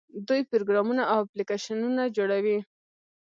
دوی پروګرامونه او اپلیکیشنونه جوړوي.